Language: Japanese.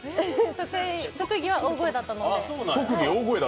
特技は大声だったので。